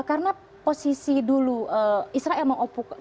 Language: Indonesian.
karena posisi dulu israel mengokupasi